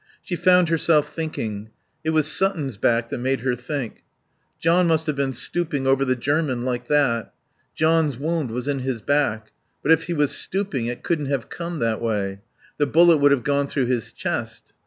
She found herself thinking. It was Sutton's back that made her think. John must have been stooping over the German like that. John's wound was in his back. But if he was stooping it couldn't have come that way. The bullet would have gone through his chest....